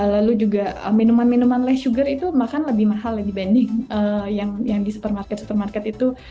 lalu juga minuman minuman less sugar itu makan lebih mahal dibanding yang di supermarket supermarket itu